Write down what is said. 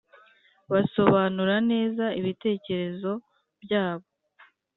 basobanura neza ibitekerezo byabo,